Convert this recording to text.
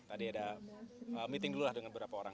tadi ada meeting dulu lah dengan berapa orang